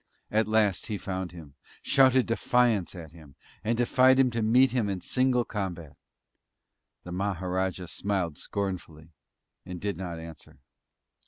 At last he found him, shouted defiance at him, and defied him to meet him in single combat. The Maharajah smiled scornfully and did not answer.